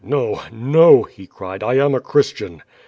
"Xo, no!" he cried. "I am a Christian."